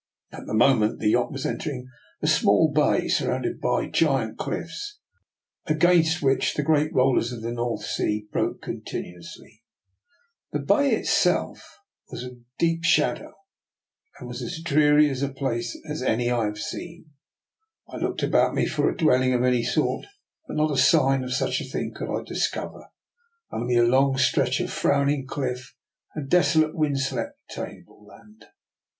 At the moment the yacht was entering a small bay, surrounded by giant cliffs, against, which the great rollers of the North Sea broke continuously. The bay it DR; NiKbLA^S EXPERIMENT. 151 Iself was in deep shadow, and was as 'dreaiy:a place as any I have seen. I looked about me for a dwelling of any sort, but not a sign of such a thing could I discover : only, a long stretch of frowning cliff and desolate, wind swept, tableland.